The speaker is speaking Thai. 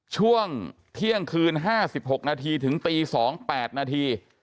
ช่วงเที่ยงคืน๕๖นาทีถึงตี๒๘นาที